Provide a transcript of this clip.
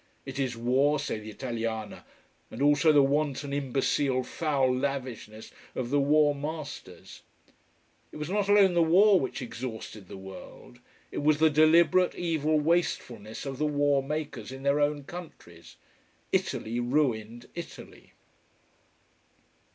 It is war, say the Italiana. And also the wanton, imbecile, foul lavishness of the war masters. It was not alone the war which exhausted the world. It was the deliberate evil wastefulness of the war makers in their own countries. Italy ruined Italy.